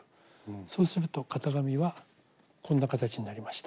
そうすると型紙はこんな形になりました。